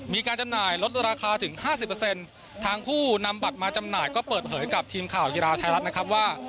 จำหน่ายลดราคาถึง๕๐ทางผู้นำบัตรมาจำหน่ายก็เปิดเผยกับทีมข่าวกีฬาไทยรัฐนะครับว่า